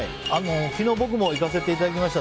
昨日、僕も行かせていただきました。